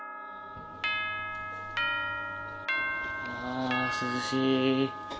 あ涼しい。